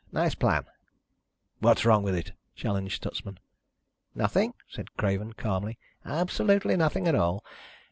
Nice plan." "What's wrong with it?" challenged Stutsman. "Nothing," said Craven calmly. "Absolutely nothing at all